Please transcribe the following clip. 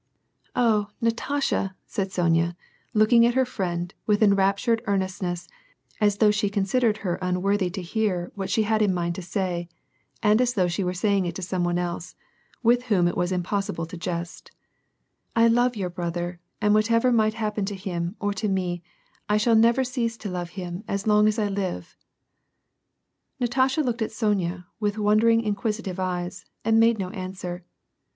" Oh, Natasha," said Sonya, looking at her friend, with en raptured earnestness, as though she considered her unworthy to hear what she had in mind to say, and as though she were saying it to some one else, with whom it was impossible to jest " I love your brother, and whatever might happen to him or to me, I should never cease to love him as long as I live !" Natasha looked at Sonya with wondering inquisitive eyes, and made no answer.